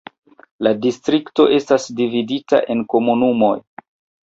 La distrikto estas dividita en komunumoj.